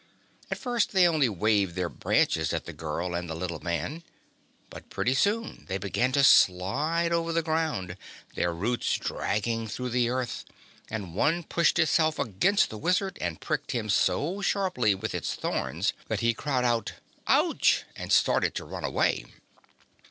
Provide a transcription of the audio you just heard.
At first they only waved their branches at the girl and little man, but pretty soon they began to slide over the ground, their roots dragging through the earth, and one pushed itself against the Wizard and pricked him so sharply with its thorns that he cried out: "Ouch!" and started to run away.